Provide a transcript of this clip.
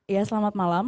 ya selamat malam